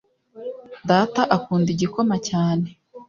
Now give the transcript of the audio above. data akunda igikoma cyane